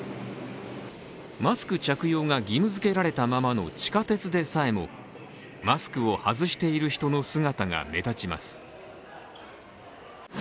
マスク着用が義務づけられたままの地下鉄でさえもマスクを外している人の姿が目立ちます。